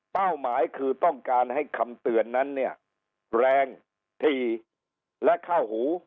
หมายคือต้องการให้คำเตือนนั้นเนี่ยแรงถี่และเข้าหู